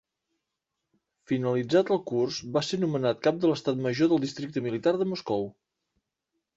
Finalitzat el curs, va ser nomenat cap de l'estat major del Districte Militar de Moscou.